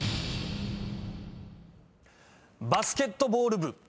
バスケットボール部。